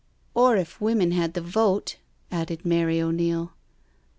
"Or if women had the vote I*' added Mary O'Neil.